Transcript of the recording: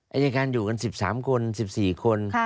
อายการอยู่กัน๑๓คน๑๔คน